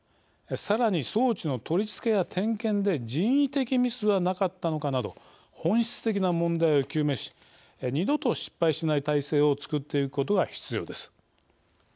さらに、装置の取り付けや点検で人為的ミスはなかったのかなど本質的な問題を究明し二度と失敗しない体制を作っていくことが必要です。